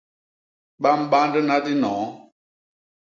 Ba mbandna dinoo.